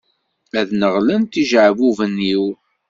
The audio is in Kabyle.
Ad d-neɣlen yijeɛbuben-iw.